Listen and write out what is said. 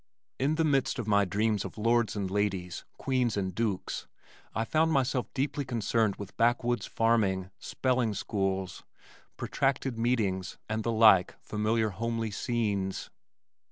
In the midst of my dreams of lords and ladies, queens and dukes, I found myself deeply concerned with backwoods farming, spelling schools, protracted meetings and the like familiar homely scenes.